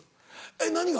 えっ何が？